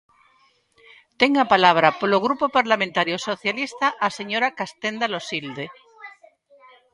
Ten a palabra, polo Grupo Parlamentario Socialista, a señora Castenda Loxilde.